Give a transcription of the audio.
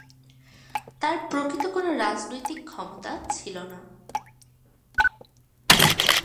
তার প্রকৃত কোনো রাজনৈতিক ক্ষমতা ছিল না।